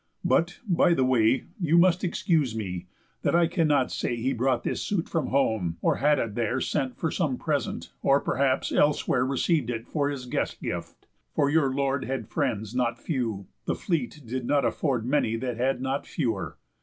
But, by the way, You must excuse me, that I cannot say He brought this suit from home, or had it there Sent for some present, or, perhaps, elsewhere Receiv'd it for his guest gift; for your lord Had friends not few, the fleet did not afford Many that had not fewer.